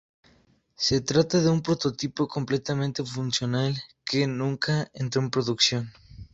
Se trata de un prototipo completamente funcional que nunca entró en producción.